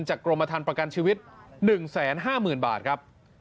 จากกรมฐานประกันชีวิต๑แสน๕หมื่นบาทครับ